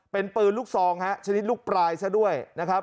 เป็นปืนลูกซองฮะชนิดลูกปลายซะด้วยนะครับ